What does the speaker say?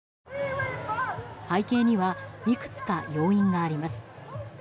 背景にはいくつか要因があります。